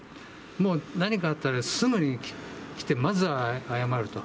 もう何かあったらすぐに来て、まずは謝ると。